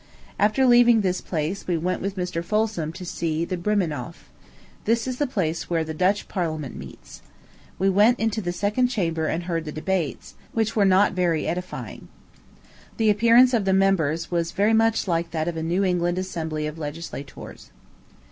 After leaving this palace, we went with Mr. Folsom to see the Brimenhoff. This is the place where the Dutch parliament meets. We went into the second chamber and heard the debates, which were not very edifying. The appearance of the members was very much like that of a New England assembly of legislators.